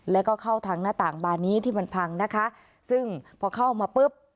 แล้วก็เข้าทางหน้าต่างบานนี้ที่มันพังนะคะซึ่งพอเข้ามาปุ๊บ